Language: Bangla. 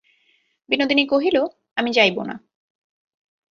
বিনোদিনী কহিল, আমি যাইব না।